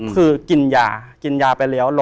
คือกินยาไปแล้ว